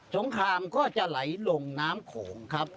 งครามก็จะไหลลงน้ำโขงครับ